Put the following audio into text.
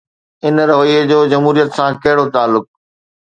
ان رويي جو جمهوريت سان ڪهڙو تعلق؟